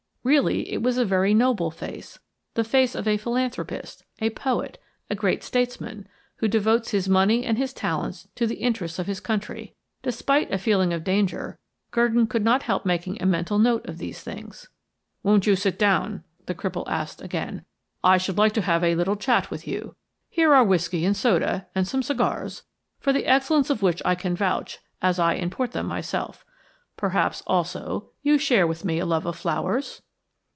Really, it was a very noble face the face of a philanthropist, a poet, a great statesman, who devotes his money and his talents to the interests of his country. Despite a feeling of danger, Gurdon could not help making a mental note of these things. "Won't you sit down?" the cripple asked again. "I should like to have a little chat with you. Here are whisky and soda, and some cigars, for the excellence of which I can vouch, as I import them myself. Perhaps, also, you share with me a love of flowers?"